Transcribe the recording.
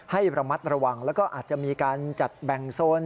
ให้ระมัดระวังแล้วก็อาจจะมีการจัดแบ่งโซน